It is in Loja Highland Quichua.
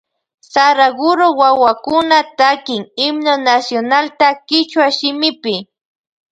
Saraguro wawakuna takin himno nacionalta kichwa shimipi.